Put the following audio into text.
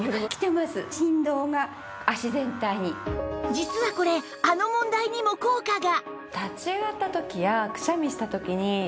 実はこれあの問題にも効果が